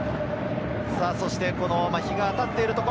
日が当たっているところ。